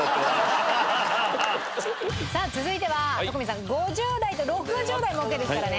さあ続いては徳光さん５０代と６０代もオーケーですからね。